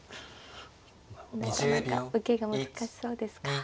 なかなか受けが難しそうですか。